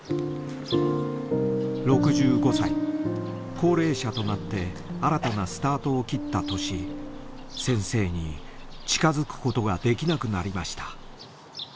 ６５歳高齢者となって新たなスタートを切った年先生に近づくことができなくなりました。